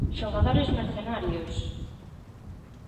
Xogadores Mercenarios!